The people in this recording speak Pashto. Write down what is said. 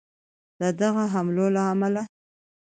د دغه حملو له امله